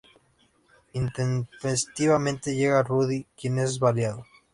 Intempestivamente llega Rudy, quien es baleado.